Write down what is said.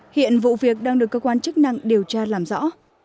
hiện vụ việc đang được cơ quan chức năng điều tra làm rõ